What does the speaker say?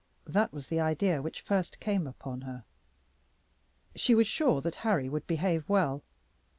That was the idea which first came upon her. She was sure that Harry would behave well.